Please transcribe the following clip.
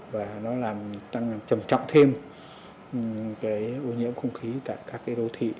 và nó làm tăng trầm trọng thêm cái ô nhiễm không khí tại các cái đô thị